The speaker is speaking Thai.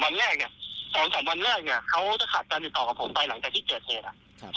๒๓วันแรกเนี่ยเขาจะขาดตามติดต่อกับผมไปหลังจากที่เกิดเหตุ